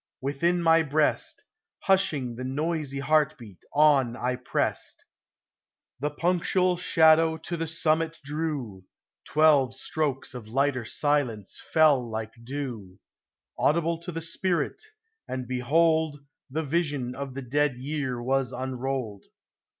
Within my breast Hushing the noisy heart beat, on I pressed. The punctual shadow to the summit drew ; Twelve strokes of lighter silence fell like dew, Audible to the spirit, and behold, The vision of the Dead Year was unrolled.